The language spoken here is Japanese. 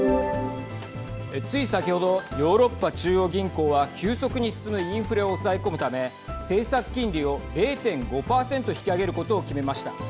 つい先ほどヨーロッパ中央銀行は急速に進むインフレを抑え込むため政策金利を０．５％引き上げることを決めました。